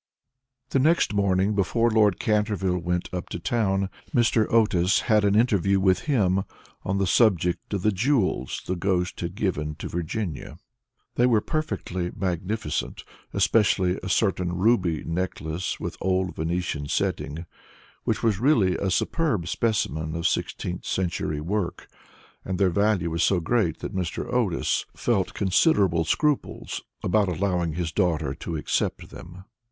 The next morning, before Lord Canterville went up to town, Mr. Otis had an interview with him on the subject of the jewels the ghost had given to Virginia. They were perfectly magnificent, especially a certain ruby necklace with old Venetian setting, which was really a superb specimen of sixteenth century work, and their value was so great that Mr. Otis felt considerable scruples about allowing his daughter to accept them.